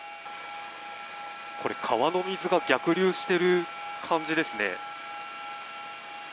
川の水が逆流している感じですね。